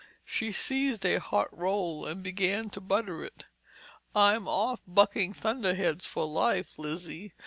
She seized a hot roll and began to butter it. "I'm off bucking thunderheads for life, Lizzie.